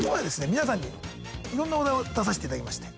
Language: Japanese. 皆さんにいろんなお題を出させていただきまして。